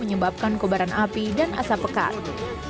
sebelumnya penumpang terlihat menjauhi sumber api dan menjauhi barang barangnya